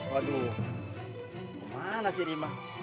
waduh mana sih rima